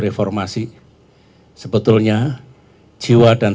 saya ingin memperkenalkan